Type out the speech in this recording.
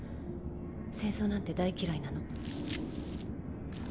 戦争なんて大嫌いなの。